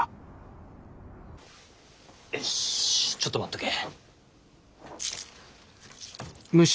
よしちょっと待っとけ。